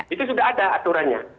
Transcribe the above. itu sudah ada aturannya